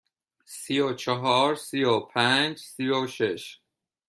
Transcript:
سی و چهار، سی و پنج، سی و شش.